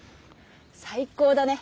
最高だね。